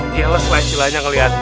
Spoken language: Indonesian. jealous lah istilahnya ngeliat